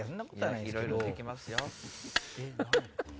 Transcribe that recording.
いろいろできますよ。